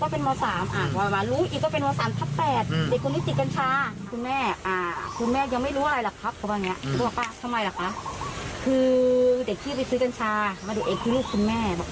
คุณครูทำไมคุณพูดกับกรอกอย่างนี้